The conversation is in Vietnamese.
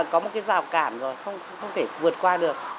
có một cái rào cản rồi không thể vượt qua được